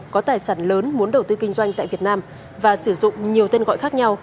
có tài sản lớn muốn đầu tư kinh doanh tại việt nam và sử dụng nhiều tên gọi khác nhau